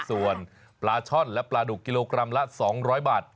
ส่วนปลาช่อนและปลาดุกกิโลกรัมละ๒๐๐บาท